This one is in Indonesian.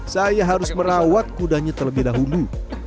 saya harus merawat kudanya terlebih dahulu